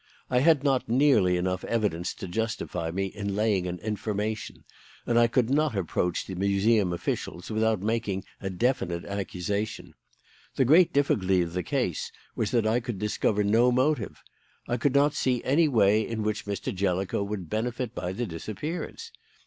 I had not nearly enough evidence to justify me in laying an information, and I could not approach the Museum officials without making a definite accusation. The great difficulty of the case was that I could discover no motive. I could not see any way in which Mr. Jellicoe would benefit by the disappearance.